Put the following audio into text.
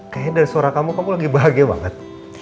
kayaknya dari suara kamu kamu lagi bahagia banget